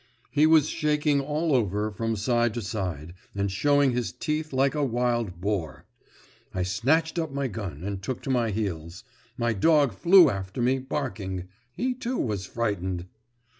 He was shaking all over from side to side, and showing his teeth like a wild boar. I snatched up my gun and took to my heels. My dog flew after me, barking. He, too, was frightened.